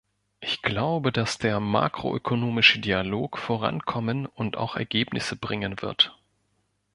Ich glaube, dass der makroökonomische Dialog vorankommen und auch Ergebnisse bringen wird.